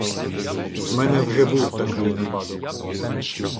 В мене вже був такий випадок.